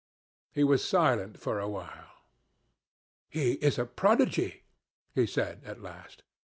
He was silent for a while. 'He is a prodigy,' he said at last.